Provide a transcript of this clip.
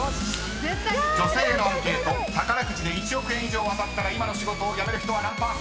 ［女性へのアンケート宝くじで１億円以上当たったら今の仕事を辞める人は何％か］